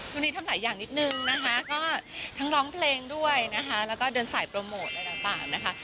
ตรงนี้ทำหลายอย่างนิดนึงนะคะก็ทั้งร้องเพลงด้วยนะคะแล้วก็เดินสายโปรโมทอะไรต่างนะคะ